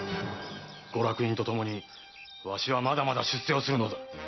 ご落胤とともにわしはまだまだ出世をするのだ。